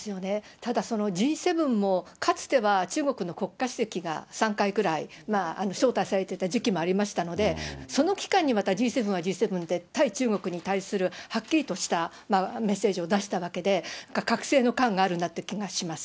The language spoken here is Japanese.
ただ、そのＧ７も、かつては中国の国家主席が３回くらい招待されてた時期もありましたので、その期間にまたＧ７はＧ７で、対中国に対するはっきりとしたメッセージを出したわけで、隔世の感があるなという気がします。